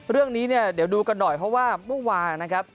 เรื่องนี้เนี่ยเดี๋ยวดูกันหน่อยเพราะว่าเมื่อวานนะครับ